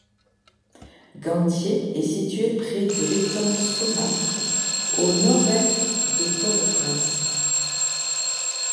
Ganthier est située près du l'étang Saumâtre, à au nord-est de Port-au-Prince.